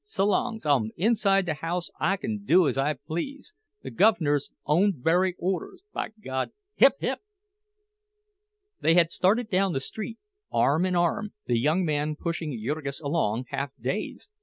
S'long's I'm inside the house I can do as I please—the guv'ner's own very orders, b'God! Hip! hip!" They had started down the street, arm in arm, the young man pushing Jurgis along, half dazed.